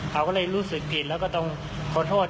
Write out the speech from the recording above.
เขาก็เลยรู้สึกผิดแล้วก็ต้องขอโทษ